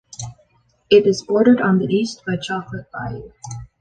It is bordered on the east by Chocolate Bayou.